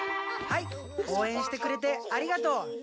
はい応援してくれてありがとう。